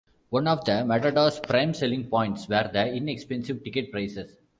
One of the Matadors' prime selling points were the inexpensive ticket prices.